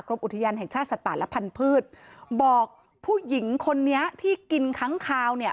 อุทยานแห่งชาติสัตว์ป่าและพันธุ์บอกผู้หญิงคนนี้ที่กินค้างคาวเนี่ย